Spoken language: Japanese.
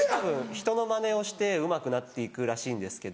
ひとのマネをしてうまくなって行くらしいんですけど。